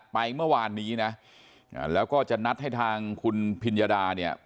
ไปเมื่อวานนี้นะแล้วก็จะนัดให้ทางคุณพิญญาดาเนี่ย